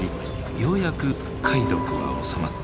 ようやく貝毒は治まった。